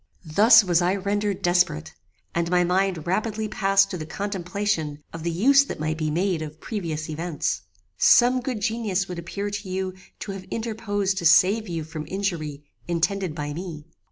"Thus was I rendered desperate, and my mind rapidly passed to the contemplation of the use that might be made of previous events. Some good genius would appear to you to have interposed to save you from injury intended by me.